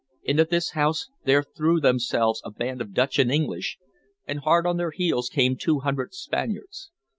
Into this house there threw themselves a band of Dutch and English, and hard on their heels came two hundred Spaniards.